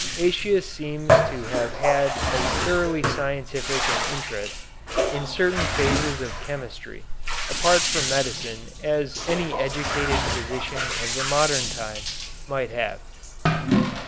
Aëtius seems to have had as thoroughly scientific an interest in certain phases of chemistry apart from medicine as any educated physician of the modern time might have.